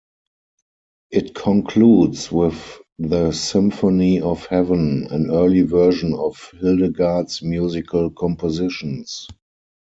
It concludes with the Symphony of Heaven, an early version of Hildegard's musical compositions.